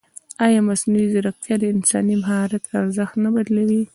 ایا مصنوعي ځیرکتیا د انساني مهارت ارزښت نه بدلوي؟